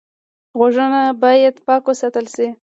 غوږونه باید پاک وساتل شي